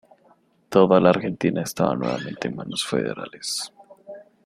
Toda la Argentina estaba nuevamente en manos federales.